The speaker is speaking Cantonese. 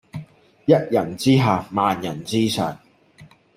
一人之下萬人之上